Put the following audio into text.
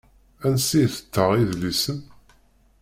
Ansi i d-tettaɣ idlisen?